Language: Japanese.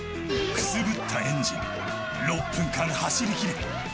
くすぶったエンジン６分間走り切れ。